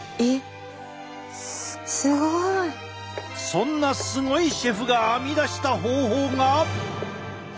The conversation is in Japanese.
そんなすごいシェフが編み出した方法が。